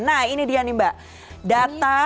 nah ini dia nih mbak data